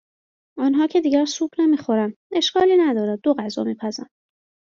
آنها که دیگر سوپ نمیخورند اشکالی ندارد دو غذا میپزم